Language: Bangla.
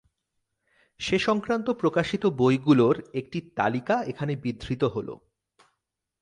সে সংক্রান্ত প্রকাশিত বইগুলোর একটি তালিকা এখানে বিধৃত হলো।